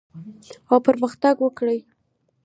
او پرمختګ وکړي